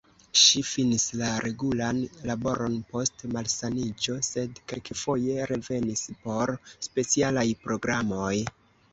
Ŝi finis la regulan laboron post malsaniĝo sed kelkfoje revenis por specialaj programoj.